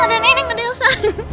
ada neneng ada elsa